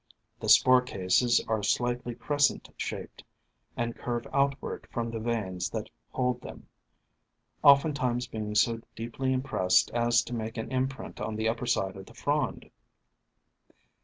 The spore cases are slightly crescent shaped, and curve outward from the veins that hold THE FANTASIES OF FERNS 1 99 them, oftentimes being so deeply im pressed as to make an imprint on the upper side of the frond.